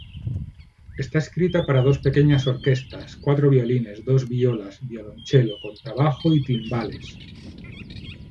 Está escrita para dos pequeñas orquestas, cuatro violines, dos violas, violonchelo, contrabajo y timbales.